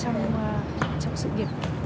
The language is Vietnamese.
công an của công an nhân dân